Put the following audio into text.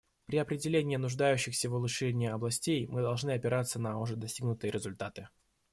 При определении нуждающихся в улучшении областей мы должны опираться на уже достигнутые результаты.